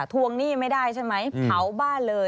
ทวงหนี้ไม่ได้ใช่ไหมเผาบ้านเลย